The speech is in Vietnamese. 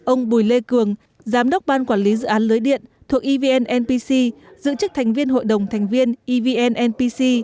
ông bùi lê cường giám đốc ban quản lý dự án lưới điện thuộc evnnpc giữ chức thành viên hội đồng thành viên evnnpc